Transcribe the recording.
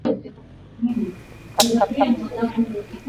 Teknologia imekua sana tangu zamani.